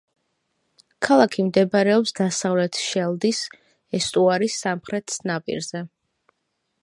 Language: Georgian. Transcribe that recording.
ქალაქი მდებარეობს დასავლეთ შელდის ესტუარის სამხრეთ ნაპირზე.